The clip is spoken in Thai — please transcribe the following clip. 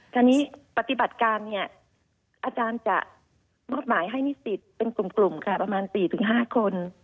ทีนี้ปฏิบัติการเนี่ยอาจารย์จะมอบหมายให้นิสิตเป็นกลุ่มค่ะประมาณ๔๕คน